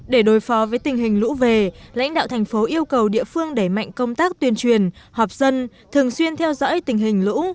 để đối phó với tình hình lũ về lãnh đạo thành phố yêu cầu địa phương đẩy mạnh công tác tuyên truyền họp dân thường xuyên theo dõi tình hình lũ